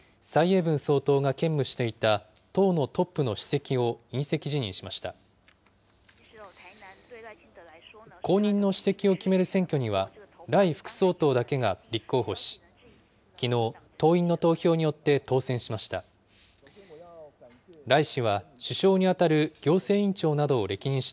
後任の主席を決める選挙には、頼副総統だけが立候補し、きのう、党員の投票によって当選しました。